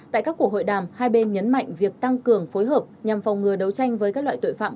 tại các cuộc hội đàm hai bên nhấn mạnh việc tăng cường phối hợp nhằm phòng ngừa đấu tranh với các loại tội phạm